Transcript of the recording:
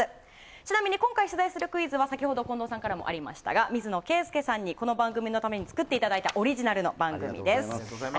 ちなみに今回出題するクイズは先ほど近藤さんからありました水野圭祐さんに作っていただいたオリジナルの問題です。